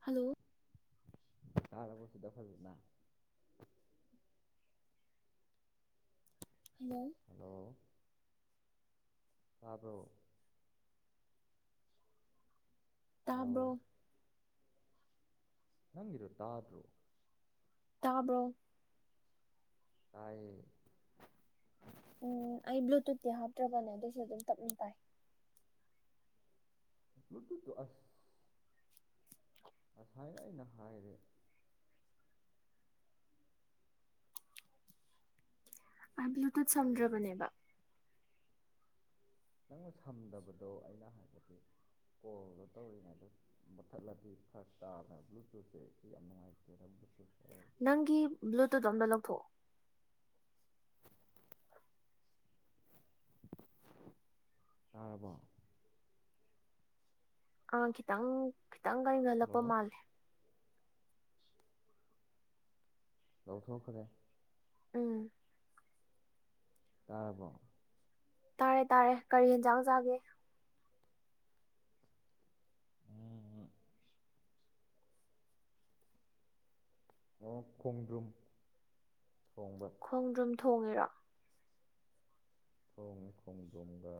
hello ꯇꯥꯔꯕꯕꯁꯤꯗ ꯐꯅ hello ꯇꯥꯔꯕ꯭ꯔꯣ ꯍꯜꯂꯣ ꯇꯥꯕ꯭ꯔꯣ ꯅꯪꯒꯤꯗꯣ ꯇꯗ꯭ꯔꯣ ꯇꯥꯕ꯭ꯔꯣ ꯇꯥꯏꯌꯦ ꯎꯝ ꯑꯩ ꯕ꯭ꯂꯨꯇꯨꯠꯇꯤ ꯍꯥꯞꯇ꯭ꯔꯕꯅꯦ ꯑꯗꯨꯏꯁꯨ ꯑꯗꯨꯝ ꯇꯞꯅ ꯄꯥꯏ [unintelligible] ꯑꯁꯥꯏꯗꯏ ꯅꯍꯥꯏꯗ ꯑꯩ ꯕ꯭ꯂꯨꯇꯨꯠ ꯀꯩꯗꯧꯔꯤꯅꯣ ꯁꯝꯗ꯭ꯔꯕꯅꯦꯕ ꯅꯪꯅ ꯁꯝꯗꯕꯗꯣ ꯑꯩꯅ ꯍꯥꯏꯕꯗꯤ ꯀꯣꯜꯗꯣ ꯇꯧꯔꯤꯉꯩꯗ ꯃꯨꯠꯊꯠꯂꯗꯤ ꯐꯔ ꯇꯥꯗꯅ ꯕ꯭ꯂꯨꯇꯨꯠꯁꯦ ꯁꯤ ꯌꯥꯝ ꯅꯨꯡꯉꯥꯏꯇꯦꯗ ꯕ꯭ꯂꯨꯇꯨꯠꯦ ꯅꯪꯒꯤ ꯕ꯭ꯂꯨꯇꯨꯠ ꯑꯝꯗ ꯂꯧꯊꯣꯛꯑꯣ [inaudible] ꯇꯥꯔꯕ ꯑꯪ ꯈꯤꯇꯪ ꯈꯤꯇꯪ ꯍꯜꯂꯣ ꯀꯟꯈꯂꯛꯄ ꯃꯥꯜꯂꯦ ꯂꯧꯊꯣꯛꯈ꯭ꯔꯦ ꯎꯝ ꯀꯥꯔꯄ ꯇꯥꯔꯦ ꯇꯥꯔꯦ ꯀꯔꯤ ꯌꯦꯟꯖꯥꯡ ꯆꯥꯒꯦ ꯎꯝ ꯑꯣ ꯈꯣꯡꯗ꯭ꯔꯨꯝ ꯊꯣꯡꯕ ꯊꯣꯡꯉꯦꯔ ꯈꯣꯡ ꯈꯣꯡꯗꯨꯝꯕ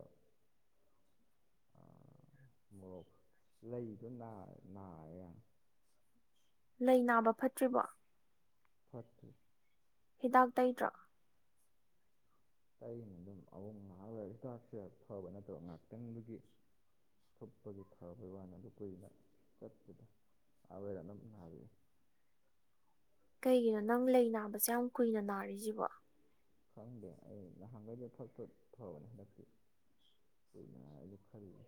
ꯃꯣꯔꯣꯛ ꯂꯩꯗꯣ ꯅꯥꯔꯦ ꯌꯥꯝ ꯂꯩ ꯅꯥꯕ ꯐꯠꯇ꯭ꯔꯤꯕꯣ ꯐꯠꯇ ꯍꯤꯗꯥꯛ ꯇꯩꯇ꯭ꯔꯥ ꯑꯩꯅ ꯑꯗꯨꯝ ꯑꯍꯣꯡ ꯉꯥꯛꯂꯒ ꯍꯤꯇꯥꯛꯁꯦ ꯐꯕ ꯅꯠꯇꯕ ꯉꯥꯛꯇꯪꯗꯨꯒꯤ ꯊꯨꯞꯄꯒꯤ ꯐꯥꯕꯩ ꯋꯥꯅꯤꯗ ꯀꯨꯏꯅ ꯆꯠꯄꯗ ꯑ ꯌꯥꯝ ꯑꯗꯨꯝ ꯀꯩꯒꯤꯅꯣ ꯅꯪ ꯂꯩ ꯅꯥꯕꯁꯦ ꯌꯥꯝ ꯀꯨꯏꯅ ꯅꯥꯔꯤꯁꯤꯕꯣ ꯈꯪꯗꯦ ꯑꯩ ꯅꯍꯥꯟꯈꯩꯗ ꯐ ꯐꯕꯅꯦ ꯍꯟꯗꯛꯇꯤ ꯀꯣꯏꯅ ꯂ ꯈꯔꯔꯤ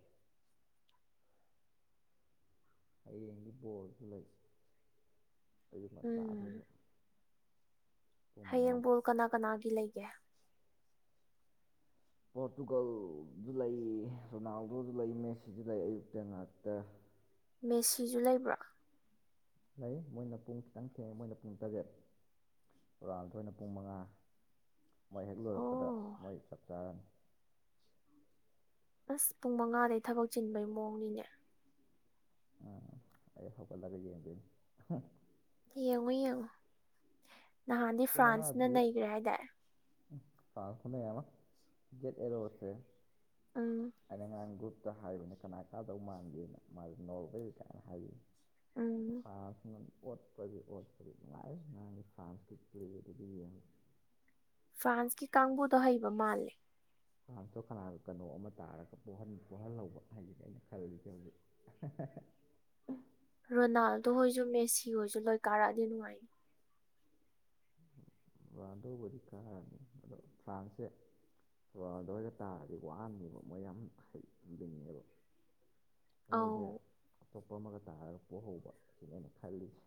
ꯑꯩꯌꯦꯗꯤ ꯣꯜꯗ ꯂꯩ ꯑꯌꯨꯛ ꯎꯝ ꯉꯟꯇꯥꯗꯨꯁꯨ ꯄꯨꯡ ꯃꯉꯥꯗ ꯍꯌꯦꯡꯕꯨꯣꯜ ꯀꯅꯥ ꯀꯅꯥꯒꯤ ꯂꯩꯒꯦ ꯄꯣꯔꯇꯨꯒꯜꯗꯨ ꯂꯩ ꯔꯣꯅꯥꯜꯗꯣꯗꯨ ꯂꯩ ꯃꯦꯁꯤꯁꯨ ꯂꯩ ꯑꯌꯨꯛꯇ ꯉꯇ ꯃꯦꯁꯤꯁꯨ ꯂꯩꯕ꯭ꯔꯥ ꯂꯩ ꯃꯣꯏꯅ ꯄꯨꯡ ꯈꯤꯇꯪ ꯊꯦꯡꯉꯦ ꯃꯣꯏꯅ ꯄꯨꯡ ꯇꯔꯦꯠ ꯔꯨꯔꯥꯜꯗ ꯑꯣꯏꯅ ꯄꯨꯡ ꯃꯉꯥ ꯃꯣꯏ ꯍꯦꯛ ꯂꯣꯏꯔꯛꯄꯗ ꯑꯣ ꯃꯣꯏ ꯆꯞ ꯆꯥꯔꯅꯤ ꯑꯁ ꯄꯨꯡ ꯃꯉꯥꯗꯩ ꯊꯕꯛ ꯆꯤꯟꯕꯩ ꯃꯑꯣꯡꯅꯤꯅꯦ ꯑ ꯑꯩ ꯍꯄꯂꯒ ꯌꯦꯡꯉꯨ ꯌꯦꯡꯉꯨ ꯅꯍꯥꯟꯗꯤ ꯐ꯭ꯔꯥꯟꯁꯅ ꯂꯩꯈ꯭ꯔꯦ ꯍꯥꯏꯇꯥꯔꯦ ꯄꯥꯥꯡꯈꯗ ꯌꯥꯝ ꯑꯃ ꯒꯦꯠ ꯑꯦꯔꯣꯁꯦ ꯎꯝ ꯑꯗ ꯉ ꯑꯥꯡꯒꯨꯞ ꯍꯥꯏꯕꯅꯦ ꯀꯅꯥ ꯀꯥꯗꯧ ꯃꯥꯟꯒꯦꯅ ꯃꯥꯁ ꯅꯣꯔꯋꯦ ꯀꯥꯏꯅ ꯍꯥꯏꯔꯤ ꯎꯝ ꯁꯥꯅ ꯑꯣꯠꯄꯗꯤ ꯑꯣꯠꯄꯗꯤꯅꯨꯡ ꯉꯥꯏ ꯁꯥ ꯐꯗꯕꯤ ꯌꯥꯝ ꯐ꯭ꯔꯥꯟꯁꯀꯤ ꯀꯥꯡꯕꯨꯗꯣ ꯍꯩꯕ ꯃꯥꯜꯂꯤꯦ ꯀꯁꯨ ꯀꯅꯥꯒ ꯀꯩꯅꯣ ꯑꯃ ꯇꯥꯔꯒ ꯄꯣꯛꯍꯟꯍꯧꯕ ꯍꯥꯏꯁꯤꯅꯦ ꯑꯩꯅ ꯈꯜꯜꯂꯤꯁꯦ ꯍꯧꯖꯤꯛ ꯦ ꯔꯣꯅꯥꯜꯗꯣ ꯍꯣꯏꯁꯨ ꯃꯦꯁꯤ ꯍꯣꯏꯁꯨ ꯂꯣꯏ ꯀꯥꯔꯛꯑꯗꯤ ꯅꯨꯡꯉꯥꯏ ꯗꯕꯨꯗꯤ ꯀꯥꯔꯅꯤ ꯑꯗꯣ ꯐ꯭ꯔꯥꯟꯁꯁꯦ ꯔꯥꯎꯗ ꯑꯣꯏꯕ ꯇꯥꯔꯗꯤ ꯋꯥꯔꯅꯦꯕ ꯃꯣꯏ ꯌꯥꯝ ꯍꯩꯝꯅꯤꯡꯉꯦꯕ ꯃꯣꯏꯁ ꯑꯧ ꯑꯇꯣꯞꯄ ꯑꯃꯒ ꯇꯥꯔꯛꯄ ꯍꯧꯕ ꯁꯤꯅꯦꯅ ꯈꯜꯂꯤꯁꯦ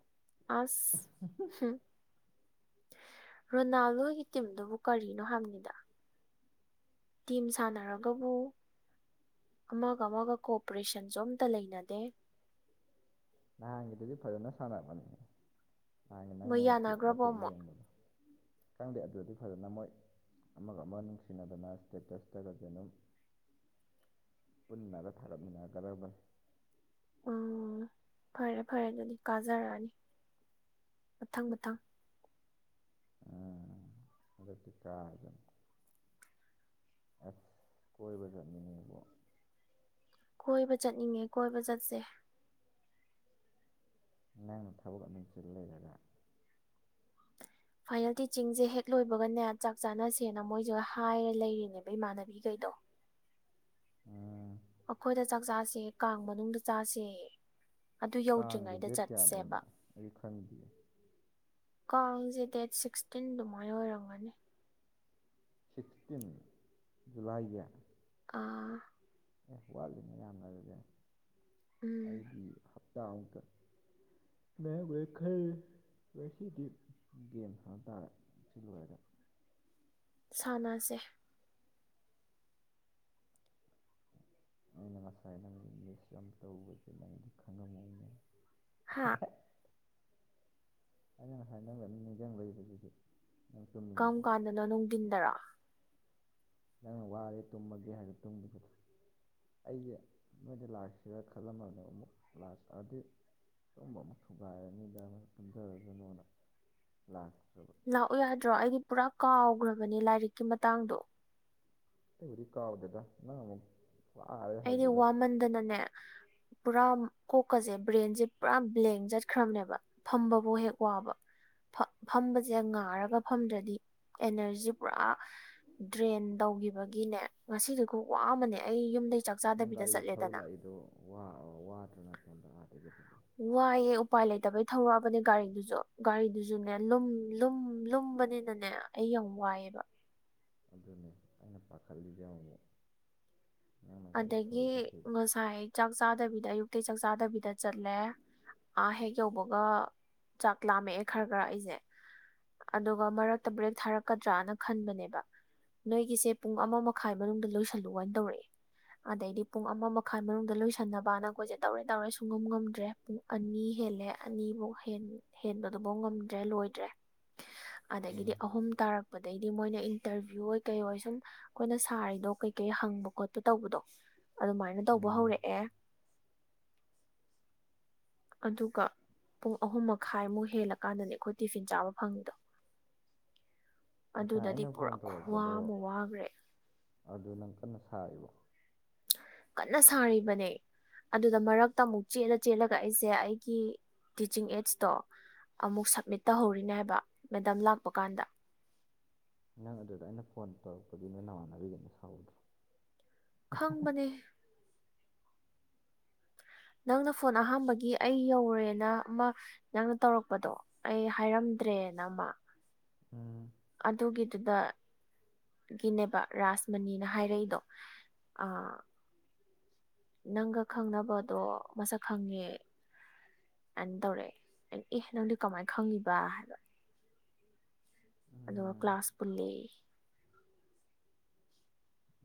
ꯑꯁ ꯔꯣꯅꯥꯜꯗꯣꯒꯤ ꯇꯤꯝꯗꯨꯕꯨ ꯀꯔꯤꯅꯣ ꯍꯪꯉꯤꯗ ꯇꯤꯝ ꯁꯥꯟꯅꯔꯒꯕꯨ ꯑꯃꯒ ꯑꯃꯒ ꯀꯣꯑꯣꯄꯔꯦꯁꯟꯁꯨ ꯑꯝꯇ ꯂꯩꯅꯗꯦ ꯅꯍꯥꯟꯒꯤꯗꯨꯗꯤ ꯐꯖꯅ ꯁꯥꯟꯅꯕꯅꯤ ꯅꯍꯥꯟꯒꯤ ꯅꯪꯅ ꯃꯣꯏ ꯃꯇꯦꯛ ꯌꯥꯅꯈ꯭ꯔꯕꯣ ꯃꯇꯦꯛ ꯑꯃꯨꯛ ꯌꯦꯡꯕꯗꯣ ꯈꯪꯗꯦ ꯑꯗꯨꯗꯤ ꯐꯖꯅ ꯃꯣꯏ ꯑꯃꯒ ꯑꯃꯒ ꯅꯨꯡꯁꯤꯅꯗꯅ ꯏꯁꯇꯦꯇꯁꯇꯒꯗꯤ ꯑꯗꯨꯝ ꯄꯨꯟꯅꯒ ꯊꯥꯔꯠꯃꯤꯟꯅꯒꯗꯕꯅꯤ ꯎꯝ ꯐꯔꯦ ꯐꯔꯦ ꯑꯗꯨꯗꯤ ꯀꯥꯖꯔꯛꯑꯅꯤ ꯃꯊꯪ ꯃꯊꯪ ꯎꯝ ꯑꯗꯨꯛꯇ ꯀꯔꯝ ꯑꯁ ꯀꯣꯏꯕ ꯆꯠꯅꯤꯡꯉꯦꯕ ꯀꯣꯏꯕ ꯆꯠꯅꯤꯡꯉꯦ ꯀꯣꯏꯕ ꯆꯠꯁꯦ ꯅꯥꯡꯅ ꯊꯕꯛ ꯑꯗꯨꯝꯁꯤ ꯂꯩꯔꯒ ꯐꯥꯏꯅꯦꯜ ꯇꯤꯆꯤꯡꯁꯦ ꯍꯦꯛ ꯂꯣꯏꯕꯒꯅꯦ ꯆꯥꯛ ꯆꯥꯅꯁꯦꯅ ꯃꯣꯏꯁꯤꯒ ꯍꯥꯏꯔ ꯂꯩꯔꯤꯅꯦꯕ ꯏꯃꯥꯟꯅꯕꯤꯈꯩ ꯗ ꯎꯝ ꯑꯩꯈꯣꯏꯗ ꯆꯥꯛ ꯆꯥꯁꯦ ꯀꯥꯡ ꯃꯅꯨꯡꯗ ꯆꯥꯁꯦ ꯑꯗꯨ ꯀꯥꯡꯁꯦ ꯌꯧꯗ꯭ꯔꯤꯉꯩꯗ ꯗꯦꯠ ꯆꯠꯁꯦꯕ ꯀꯌꯥꯗꯩꯅꯣ ꯑꯩ ꯈꯪꯗꯦ ꯀꯁꯦ ꯗꯦꯠ ꯁꯤꯛꯁꯇꯤꯟ ꯑꯗꯨꯃꯥꯏꯅ ꯑꯣꯏꯔꯝꯒꯅꯤ ꯁꯤꯛꯁꯇꯤꯟ ꯖꯨꯂꯥꯏꯒꯤ ꯑꯥ ꯑꯦ ꯋꯥꯠꯂꯤꯅꯦ ꯌꯥꯝꯅꯔꯁꯦ ꯎꯝ ꯑꯩꯗꯤ ꯍꯞꯇꯥꯃꯨꯛꯇ ꯃ ꯋꯥꯦꯈꯔ ꯑꯣꯏ ꯁꯤꯗꯤ ꯒꯦꯝ ꯍꯥꯏꯕ ꯇꯥꯔꯦ ꯁꯤ ꯂꯣꯏꯔꯦ ꯁꯥꯟꯅꯁꯦ ꯑꯩꯅ ꯉꯁꯥꯏ ꯅꯪ ꯏꯪꯂꯤꯁ ꯌꯥꯝ ꯇꯧꯕꯁꯤꯅ ꯑꯩꯗꯤ ꯈꯪꯉꯝꯃꯧꯅꯦ ꯍꯥꯥ ꯑꯩꯅ ꯉꯁꯥꯏ ꯅꯪꯕ ꯃꯤ ꯅꯤꯡꯁꯤꯡꯕꯕꯁꯤꯗꯤ ꯀꯔꯝ ꯀꯥꯟꯗꯅꯣ ꯅꯨꯡꯊꯤꯟꯗꯔꯥ ꯅꯪꯅ ꯋꯥꯔꯦ ꯇꯨꯝꯃꯒꯦ ꯍꯥꯏꯔ ꯇꯨꯝꯈꯤꯕꯗꯣ ꯑꯩꯁꯦ ꯅꯣꯏꯗ ꯂꯥꯛꯁꯤꯔꯥ ꯈꯜꯂꯝꯃꯕꯅꯦ ꯑꯃꯨꯛ ꯂꯥꯛ ꯑꯗꯨ ꯁꯨꯝꯕ ꯑꯃ ꯊꯨꯒꯥꯏꯔꯅꯤꯗ ꯃ ꯇꯨꯝꯖꯔꯁꯅꯣꯅ ꯂꯥꯛ ꯂꯥꯛꯎ ꯌꯥꯗ꯭ꯔꯣ ꯑꯩꯗꯤ ꯄꯨꯔꯥ ꯀꯥꯎꯈ꯭ꯔꯕꯅꯦ ꯂꯥꯏꯔꯤꯛꯀꯤ ꯃꯇꯥꯡꯗꯣ ꯕꯨꯔꯤ ꯀꯥꯥꯎꯗꯗ ꯑꯃ ꯑꯩꯗꯤ ꯋꯥꯃꯟꯗꯅꯅꯦ ꯄꯨꯔꯥ ꯀꯣꯛꯀꯁꯦ ꯕ꯭ꯔꯦꯟꯁꯦ ꯄꯨꯔꯥ ꯕ꯭ꯂꯦꯡ ꯆꯠꯈ꯭ꯔꯕꯅꯦꯕ ꯐꯝꯕꯕꯨ ꯍꯦꯛ ꯋꯥꯕ ꯐꯝꯕꯁꯦ ꯉꯥꯔꯒ ꯐꯝꯗ꯭ꯔꯗꯤ ꯑꯦꯅꯔꯖꯤ ꯄꯨꯔꯥ ꯗ꯭ꯔꯦꯟ ꯇꯧꯈꯤꯕꯒꯤꯅꯦ ꯉꯁꯤꯗꯨ ꯈ ꯋꯥ ꯑꯃꯅꯦ ꯑꯩ ꯌꯨꯝꯗꯩ ꯆꯥꯛ ꯅꯪ ꯆꯥꯗꯕꯤꯗ ꯒꯥꯔꯤ ꯊꯧ ꯆꯠꯂꯦꯗꯅ ꯂꯥꯛꯏꯗꯣ ꯋꯥꯗ꯭ꯔꯅ ꯐꯣꯟꯗꯗꯒꯤꯦ ꯑꯗꯨ ꯋꯥꯏꯑꯦ ꯎꯄꯥꯏ ꯂꯩꯇꯕꯩ ꯊꯧꯔꯛꯑꯕꯅꯦ ꯒꯥꯔꯤꯗꯨꯁꯨ ꯒꯥꯔꯤꯗꯨꯁꯨꯅꯦ ꯂꯨꯝ ꯂꯨꯝ ꯂ ꯇꯨꯝꯕꯅꯤꯅꯅꯦ ꯑꯩ ꯌꯥꯝ ꯋꯥꯏꯑꯦꯕ ꯑꯗꯨꯅꯤ ꯑꯩꯅ ꯄꯥꯈꯠꯂꯤꯁꯦ ꯑꯃꯨꯛ ꯅꯪꯅ ꯒꯥꯔꯤ ꯑꯗꯒꯤ ꯊꯧꯔ ꯆꯠꯈꯤꯕꯁꯦ ꯉꯁꯥꯏ ꯆꯥꯛ ꯆꯥꯗꯕꯤꯗ ꯑꯌꯨꯛꯇ ꯆꯥꯛ ꯆꯥꯗꯕꯤꯗ ꯆꯠꯂꯦ ꯑꯥ ꯍꯦꯛ ꯌꯧꯕꯒ ꯆꯥꯛ ꯂꯥꯝꯃꯛꯑꯦ ꯈꯔ ꯈꯔ ꯑꯩꯁꯦ ꯑꯗꯨꯒ ꯃꯔꯛꯇ ꯕ꯭ꯔꯦꯛ ꯊꯥꯔꯛꯀꯗ꯭ꯔꯥꯅ ꯈꯟꯕꯅꯦꯕ ꯅꯣꯏꯒꯤꯁꯦ ꯄꯨꯡ ꯑꯃ ꯃꯈꯥꯏ ꯃꯅꯨꯡꯗ ꯂꯣꯏꯁꯤꯜꯂꯨ ꯍꯥꯏꯅ ꯇꯧꯔꯛꯑꯦ ꯑꯗꯩꯗꯤ ꯄꯨꯡ ꯑꯃ ꯃꯈꯥꯏ ꯃꯅꯨꯡꯗ ꯂꯣꯏꯁꯟꯅꯕꯅꯈꯣꯏꯁꯦ ꯇꯧꯔꯦ ꯇꯧꯔꯦ ꯁꯨꯡꯉꯝ ꯉꯝꯗ꯭ꯔꯦ ꯄꯨꯡ ꯑꯅꯤ ꯑꯅꯤ ꯍꯦꯜꯂꯦ ꯑꯅꯤꯐꯧ ꯍꯦꯟꯕꯗꯨꯐꯥꯎ ꯉꯝꯗ꯭ꯔꯦ ꯂꯣꯏꯗ꯭ꯔꯦ [inaudible] [unintelligible] ꯑꯗꯒꯤꯗꯤ ꯑꯍꯨꯝ ꯇꯥꯔꯛꯄ ꯄ ꯑꯗꯩꯗꯤ ꯃꯣꯏꯅ ꯏꯟꯇꯔꯚꯤꯌꯨ ꯑꯣꯏ ꯀꯩ ꯑꯣꯏ ꯁꯨꯝ ꯑꯩꯈꯣꯏꯅ ꯁꯥꯔꯤꯗꯣ ꯀꯩ ꯀꯩ ꯍꯪꯕ ꯈꯣꯠꯄ ꯇꯧꯕꯗꯣ ꯑꯗꯨꯃꯥꯏꯅ ꯇꯧꯕ ꯎꯝ ꯍꯧꯔꯛꯑꯦ ꯑꯗꯨꯒ ꯄꯨꯡ ꯑꯍꯨꯝ ꯃꯈꯥꯏꯃꯨꯛ ꯍꯦꯜꯂꯀꯥꯟꯗꯅꯦ ꯑꯩꯈꯣꯏ ꯇꯤꯐꯤꯟ ꯆꯥꯕ ꯐꯪꯉꯤꯗꯣ ꯉꯁꯥꯏ ꯑꯗꯨꯗꯗꯤ ꯑꯩꯅ ꯐꯣꯟ ꯄꯨꯔꯥ ꯈꯨꯋꯥ ꯇꯧꯔꯛꯄꯗꯣ ꯑꯃ ꯋꯥꯈ꯭ꯔꯦ ꯑꯗꯨ ꯅꯪ ꯀꯟꯅ ꯁꯥꯔꯤꯕ ꯀꯟꯅ ꯁꯥꯔꯤꯕꯅꯦ ꯑꯗꯨꯗ ꯃꯔꯛꯇ ꯑꯃꯨꯛ ꯆꯦꯜꯂ ꯆꯦꯜꯂꯒ ꯑꯩꯁꯦ ꯑꯩꯒꯤ ꯇꯤꯆꯤꯡ ꯑꯦꯠꯁꯇꯣ ꯑꯃꯨꯛ ꯁꯞꯃꯤꯠ ꯇꯧꯍꯧꯔꯤꯅꯦ ꯍꯥꯏꯕ ꯃꯦꯗꯝ ꯂꯥꯛꯄ ꯀꯥꯟꯗ ꯅꯪ ꯑꯗꯨꯗ ꯑꯩꯅ ꯐꯣꯟ ꯇꯧꯔꯛꯄꯗꯤ ꯅꯣꯏ ꯅꯃꯥꯟꯅꯕꯤꯒꯤꯅ ꯁꯥꯎꯗ꯭ꯔꯣ ꯈꯪꯕꯅꯤ ꯅꯪꯅ ꯐꯣꯟ ꯑꯍꯥꯥꯟꯕꯒꯤ ꯑꯩ ꯌꯧꯔꯦꯅ ꯑꯃ ꯅꯪꯅ ꯇꯧꯔꯛꯄꯗꯣ ꯑꯩ ꯍꯥꯏꯔꯝ ꯗ꯭ꯔꯦꯅꯃ ꯎꯝ ꯑꯗꯨꯒꯤꯗꯨꯗ ꯒꯤꯅꯦꯕ ꯔꯥꯁ ꯃꯅꯤꯅ ꯍꯥꯏꯔꯛꯏꯗꯣ ꯑ ꯅꯪꯒ ꯈꯪꯅꯕꯗꯣ ꯃꯁꯛ ꯈꯪꯉꯦ ꯑꯗꯨꯅ ꯇꯧꯔꯛꯑꯦ ꯑꯦꯍ ꯅꯪꯗꯤ ꯀꯃꯥꯏꯅ ꯈꯪꯉꯤꯕ ꯍꯥꯏꯕ ꯑꯗꯨꯒ ꯎꯝ ꯀ꯭ꯂꯥꯁ ꯄꯨꯜꯂꯤ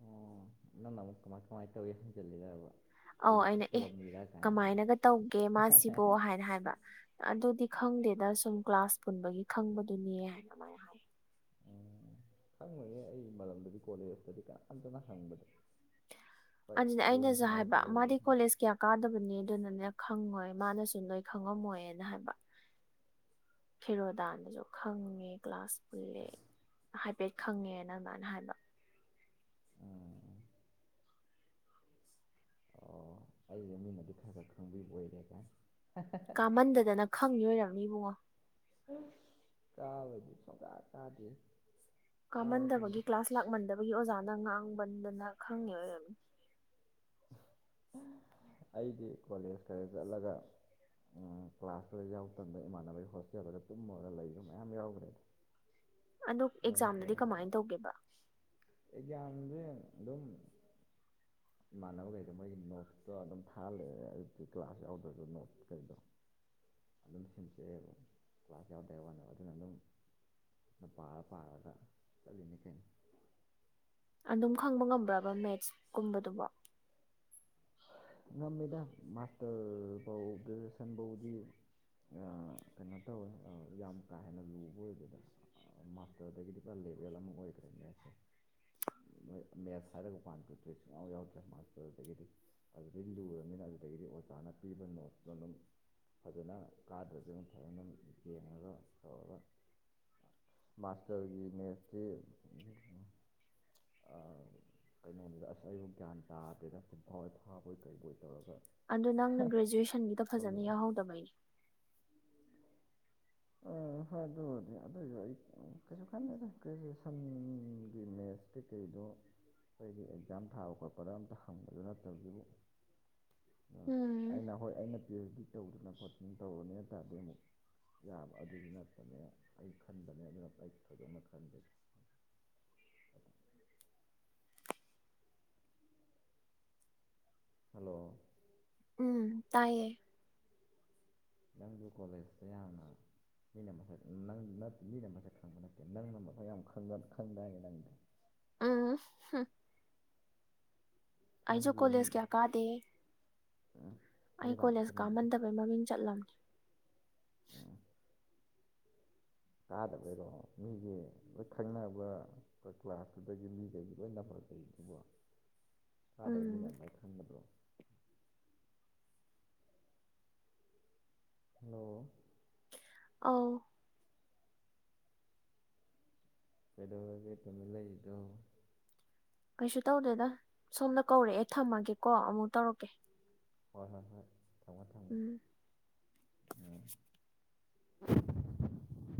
ꯑꯣ ꯅꯪꯅ ꯑꯃꯨꯛ ꯀꯃꯥꯏ ꯀꯃꯥꯏꯅ ꯇꯧꯏꯤ ꯍꯪꯖꯤꯜꯂꯤꯗꯕ ꯑꯧ ꯑꯩꯁꯦ ꯑꯩꯅ ꯑꯦ ꯐꯠꯇꯕ ꯃꯤꯔ ꯀꯃꯥꯏꯅꯒ ꯇꯧꯒꯦ ꯃꯥꯁꯤꯕꯣ ꯍꯥꯏꯅ ꯍꯥꯏꯕ ꯑꯗꯨꯗꯤ ꯈꯪꯗꯦꯗ ꯁꯨꯝ ꯀ꯭ꯂꯥꯁ ꯄꯨꯟꯕꯒꯤ ꯈꯪꯕꯗꯨꯅꯤ ꯍꯥꯏꯅ ꯑꯗꯨꯃꯥꯏꯅ ꯍꯥꯏ ꯎꯝ ꯈꯪꯉꯣꯏꯍꯦ ꯑꯩ ꯃꯔꯝꯗꯗꯤ ꯀꯣꯂꯦꯖꯇꯗꯤ ꯀꯅꯥꯝꯝꯇꯅ ꯍꯪꯕꯗ ꯍꯣꯏ ꯑꯗꯨꯅꯦ ꯒꯦꯝ ꯑꯩꯅꯁꯨ ꯁꯥꯟꯅꯩ ꯍꯥꯏꯕ ꯈꯣꯠꯂꯤ ꯃꯥꯗꯤ ꯀꯣꯂꯦꯖ ꯀꯌꯥ ꯀꯥꯗꯕꯅꯦ ꯑꯗꯨꯅꯅꯦ ꯈꯪꯉꯣꯏ ꯃꯥꯅꯁꯨ ꯅꯣꯏ ꯈꯪꯉꯝꯃꯣꯏꯅ ꯍꯥꯏꯕ ꯈꯦꯔꯣꯗꯥꯟꯗꯁꯨ ꯈꯪꯉꯦ ꯀ꯭ꯂꯥꯁ ꯄꯨꯜꯂꯦ ꯍꯥꯏꯐꯦꯠ ꯈꯪꯉꯦꯅ ꯑꯗꯨꯃꯥꯏꯅ ꯍꯥꯏꯕ ꯎꯝ ꯑꯣ ꯑꯩꯁ ꯃꯤꯅꯗꯤ ꯈꯔ ꯈꯔ ꯈꯪꯕꯤꯕ ꯑꯣꯏꯔꯦꯒ ꯀꯥꯃꯟꯗꯗꯅ ꯈꯪꯉ ꯑꯣꯏꯔꯝꯅꯤ ꯏꯕꯨꯡꯉꯣ ꯀꯥꯕ ꯁ ꯀꯥ ꯀꯥꯗ ꯀꯥꯃꯟꯗꯕꯒꯤ ꯀ꯭ꯂꯥꯁ ꯂꯥꯛꯃꯟꯗꯕꯒꯤ ꯑꯣꯖꯥꯅ ꯉꯥꯡꯃꯟꯗꯅ ꯈꯪꯉꯦ ꯑꯣꯏ ꯑꯩꯗꯤ ꯀꯣꯂꯦꯖ ꯈꯔ ꯆꯠꯂꯒ ꯎꯝ ꯀ꯭ꯂꯥꯁꯇꯨꯗ ꯌꯥꯎ ꯃꯇꯝꯗ ꯏꯃꯥꯟꯅꯕꯒꯤ ꯍꯣꯁꯇꯦꯜꯗꯒ ꯇꯨꯝꯃꯒ ꯂꯩꯕ ꯃꯌꯥꯝ ꯌꯥꯎꯈ꯭ꯔꯦ [inaudible] ꯑꯗꯨ ꯑꯦꯛꯖꯥꯝꯗꯨꯗꯤ ꯀꯃꯥꯏꯅ ꯇꯧꯒꯦꯕ ꯑꯦꯒ꯭ꯌꯥꯟꯁꯦ ꯑꯗꯨꯝ ꯏꯃꯥꯟꯅꯕꯈꯩꯗ ꯃꯣꯏꯒꯤ ꯅꯣꯠꯇꯣ ꯑꯗꯨꯝ ꯊꯥꯍꯜꯂꯦ ꯑꯗꯨꯗꯤ ꯀ꯭ꯂꯥꯁ ꯌꯥꯎꯗ꯭ꯔꯁꯨ ꯅꯣꯠ ꯀꯩꯗꯣ ꯑꯗꯨꯝ ꯁꯦꯝꯆꯩꯑꯦꯕ ꯀ꯭ꯂꯥꯁ ꯌꯥꯎꯗꯩ ꯋꯥꯅꯦꯕ ꯑꯗꯨꯅ ꯑꯗꯨꯝꯅ ꯄꯥ ꯄꯥꯔꯒ ꯆꯠꯂꯤꯅꯤ ꯀꯩꯅꯩꯅꯣ ꯑꯗꯨꯝ ꯈꯪꯕ ꯉꯝꯕ꯭ꯔꯕ ꯃꯦꯠꯁꯀꯨꯝꯕꯗꯨꯕꯣ ꯉꯝꯃꯦꯗꯥ ꯃꯥꯁꯇꯔꯕꯎ ꯒꯔ꯭ꯦꯖꯨꯌꯦꯁꯟ ꯐꯎꯗꯤ ꯀꯩꯅꯣ ꯇꯧꯋꯦ ꯌꯥꯝ ꯀꯥ ꯍꯦꯟꯅ ꯂꯨꯕ ꯑꯣꯏꯗꯦꯗ ꯃꯥꯁꯇꯔꯗꯒꯤꯗꯤ ꯄꯨꯔ ꯂꯦꯕꯦꯜ ꯑꯃ ꯑꯣꯏꯈ꯭ꯔꯦꯅꯦ ꯑꯩꯁꯦ [unintelligible] ꯃꯦꯠꯁ ꯍꯥꯏꯔꯒ ꯄꯥꯟ [inaudible] ꯌꯥꯎꯗ꯭ꯔꯦ ꯃꯥꯁꯇꯗꯒꯤꯗꯤ ꯑꯗꯨꯗꯩ ꯂꯨꯔꯕꯅꯤꯅ ꯑꯗꯨꯗꯒꯤꯗꯤ ꯑꯣꯖꯥꯅ ꯄꯤꯕ ꯅꯣꯠꯇꯣ ꯑꯗꯨꯝ ꯐꯖꯅ ꯀꯥꯗ꯭ꯔꯁꯨ ꯑꯗꯨꯝ ꯐꯖꯅ ꯌꯦꯡꯉꯒ ꯇꯧꯔꯒ ꯃꯥꯁꯇꯔꯒꯤ ꯃꯦꯠꯁꯤ ꯀꯩꯅꯣꯗꯨꯗ ꯑꯁ ꯑꯩꯕꯨ ꯒ꯭ꯌꯥꯟ ꯇꯥꯗꯦꯗ ꯆꯤꯟꯐꯥ ꯐꯥꯕꯣꯏ ꯀꯩꯕꯣꯏ ꯇꯧꯔꯒ ꯑꯗꯨ ꯅꯪꯅ ꯒ꯭ꯔꯦꯖꯨꯋꯦꯁꯟꯒꯤꯗꯣ ꯐꯖꯅ ꯇꯧꯈꯤꯕꯅꯤ ꯌꯥꯎꯍꯧꯗꯕꯩꯅꯦ ꯍꯣꯏ ꯑꯗꯨꯗꯤ ꯑꯗꯨꯏꯁꯨ ꯑꯩ ꯀꯩꯁꯨ ꯈꯟꯗꯦꯗ ꯒ꯭ꯔꯦꯖꯨꯑꯦꯁꯟꯒꯤ ꯃꯦꯠꯁ ꯀꯩꯀꯩ ꯗꯣ ꯑꯩꯒꯤ ꯑꯦꯛꯖꯥꯝ ꯊꯥꯕ ꯈꯣꯠꯄꯗ ꯑꯝꯇ ꯍꯪꯕꯗꯨ ꯅꯠꯇꯕꯗꯨꯕꯨ ꯎꯝ ꯑꯩꯅ ꯍꯣꯏ ꯑꯩꯅ ꯍꯧꯗꯤ ꯇꯧꯗꯅ ꯈꯣꯠꯇꯅ ꯇꯧꯔꯅꯦ ꯍꯥꯏꯇꯥꯔꯗꯤ ꯑꯃꯨꯛ ꯌꯥꯕ ꯑꯗꯨꯗꯨ ꯅꯠꯇꯄꯅꯦ ꯑꯩ ꯈꯟꯕꯅꯦ ꯑꯗꯨꯅ ꯑꯩ ꯊꯣꯏꯗꯣꯛꯅ ꯈꯟꯗꯦ [inaudible] ꯍꯜꯂꯣ ꯎꯝ ꯇꯥꯏꯌꯦ ꯅꯪꯁꯨ ꯀꯣꯂꯦꯖꯇ ꯌꯥꯝꯅ ꯃꯤꯅ ꯃꯁꯛ ꯅꯪ ꯅꯠ ꯃꯤꯅ ꯃꯁꯛ ꯈꯪꯕ ꯅꯠꯇꯦ ꯅꯪꯅ ꯃꯁꯛ ꯌꯥꯝ ꯈꯪꯗꯥꯏꯅꯦ ꯅꯪꯗꯤ ꯎꯝ ꯑꯩꯁꯨ ꯅꯪꯒꯤ ꯃꯤ ꯀꯣꯂꯦꯖ ꯀꯌꯥ ꯀꯥꯗꯦ ꯃꯤ ꯑꯩ ꯂꯥꯛꯄ ꯀꯣꯂꯦꯖ ꯈꯨꯗꯤꯡꯒꯤ ꯀꯥꯃꯟꯗꯕꯩ ꯃꯃꯤꯡ ꯆꯠꯂꯝ ꯀꯥꯗꯕꯩꯔꯣ ꯃꯤꯒꯤ ꯂꯣꯏ ꯈꯪꯅꯕ ꯀ꯭ꯂꯥꯁꯇꯨꯗꯒꯤ ꯃꯤꯈꯩ ꯂꯣꯏ ꯅ ꯩ [unintelligible] ꯕꯣ ꯀꯥꯗꯕ ꯃꯤ ꯎꯝ ꯃꯌꯥꯝ ꯂꯣꯏ ꯈꯪꯒꯗ꯭ꯔꯣ ꯍꯂꯣ ꯑꯧ ꯀꯩꯗꯧꯔꯒꯦ ꯇꯨꯃꯤꯟ ꯂꯩꯗꯣ ꯀꯩꯁꯨ ꯇꯧꯗꯦꯗ ꯁꯣꯝꯗ ꯀꯧꯔꯛꯑꯦ ꯊꯝꯃꯒꯦꯀꯣ ꯑꯃꯨꯛ ꯇꯧꯔꯛꯀꯦ ꯍꯣꯏ ꯍꯣꯏ ꯍꯣꯏ ꯊꯝꯃꯣ ꯊꯝꯃꯣ ꯎꯝ ꯎꯝ